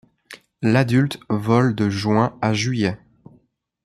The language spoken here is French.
L'adulte vole de juin à juillet.